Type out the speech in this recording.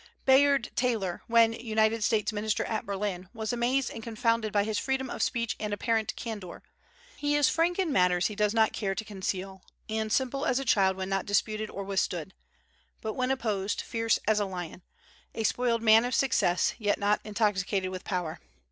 Bayard Taylor, when United States minister at Berlin, was amazed and confounded by his freedom of speech and apparent candor. He is frank in matters he does not care to conceal, and simple as a child when not disputed or withstood; but when opposed fierce as a lion, a spoiled man of success, yet not intoxicated with power.